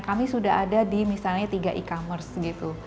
kami sudah ada di misalnya tiga e commerce gitu